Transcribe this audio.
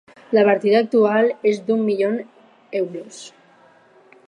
La partida actual és d’u milions euros.